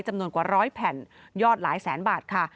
จำนวนกว่าร้อยแผ่นยอดหลายแสนบาทค่ะ